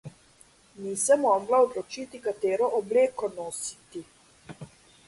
Ni se mogla odločiti, katero obleko nositi.